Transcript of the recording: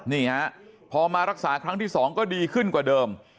นี่ฮะพอมารักษาครั้งที่๒ก็ดีขึ้นกว่าเดิม